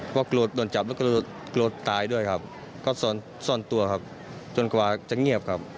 เพราะโกรธโดนจับแล้วก็โกรธตายด้วยครับก็ซ่อนตัวครับจนกว่าจะเงียบครับ